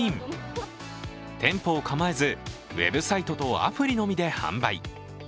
店舗を構えず、ウェブサイトとアプリのみで販売。